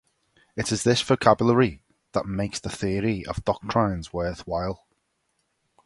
It is this vocabulary that makes the theory of doctrines worth while.